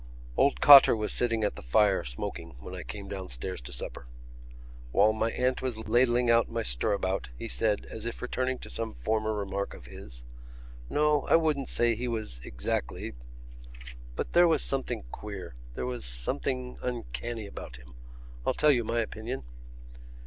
Old Cotter was sitting at the fire, smoking, when I came downstairs to supper. While my aunt was ladling out my stirabout he said, as if returning to some former remark of his: "No, I wouldn't say he was exactly ... but there was something queer ... there was something uncanny about him. I'll tell you my opinion...."